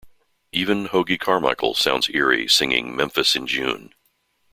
Even Hoagy Carmichael sounds eerie singing Memphis in June.